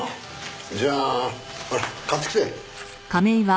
じゃあほら買ってきて。